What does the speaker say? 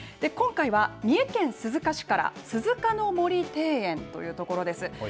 今回は三重県鈴鹿市から鈴鹿の森庭園という所です。